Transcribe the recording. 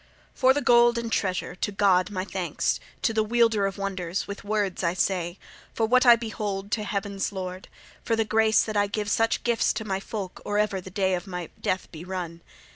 "For the gold and treasure, to God my thanks, to the Wielder of Wonders, with words I say, for what I behold, to Heaven's Lord, for the grace that I give such gifts to my folk or ever the day of my death be run!